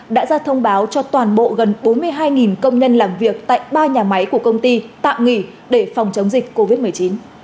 đã ra thông báo cho toàn bộ gần bốn mươi hai công nhân làm việc tại ba nhà máy của công ty tạm nghỉ để phòng chống dịch covid một mươi chín